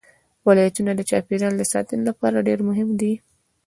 ولایتونه د چاپیریال ساتنې لپاره ډېر مهم دي.